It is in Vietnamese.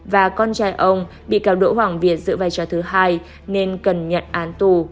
và con trai ông bị cáo đỗ hoàng việt giữ vai trò thứ hai nên cần nhận án tù